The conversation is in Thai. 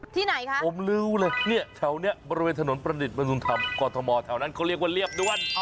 ไหนคะผมรู้เลยเนี่ยแถวนี้บริเวณถนนประดิษฐ์มนุนธรรมกรทมแถวนั้นเขาเรียกว่าเรียบด้วน